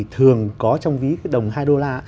thường có trong ví đồng hai đô la